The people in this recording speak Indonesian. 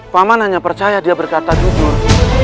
paman hanya percaya dia berkata jujur